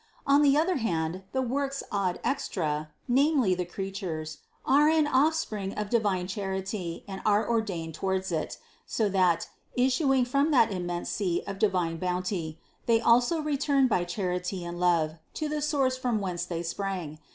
On the other hand the works ad extra, namely the creatures, are an off spring of divine charity and are ordained towards it, so that, issuing from that immense sea of divine bounty, they also return by charity and love to the source from whence they sprang.